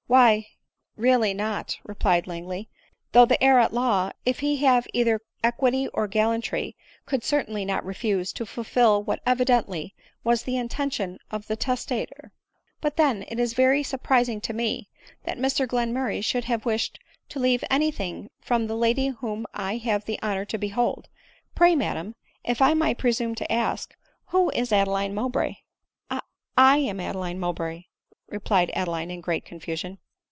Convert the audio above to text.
" Why — really not," replied Langleyj " though the heir at law, if he have either equity or gallantry, could certainly not refuse to fulfil what evidently was the inten tion of the testator ; but then, it is very surprising to me that Mr Glenmurray should have wished to leave any ADELINE MOWBRAY. 211 thing from the lady whom I have the honor to behold. Pray, madam — if I may presume to ask — Who is Ade line Mowbray ?"" I — I am Adeline Mowbray," replied Adeline in great confusion.